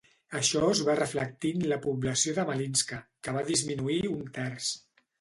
Això es va reflectir en la població de Malinska, que va disminuir un terç.